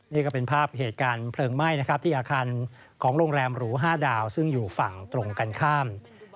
นี่ก็เป็นภาพเหตุการณ์เพลิงไหม้นะครับที่อาคารของโรงแรมหรู๕ดาวซึ่งอยู่ฝั่งตรงกันข้าม